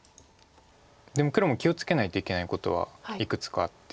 でも黒も気を付けないといけないことはいくつかあって。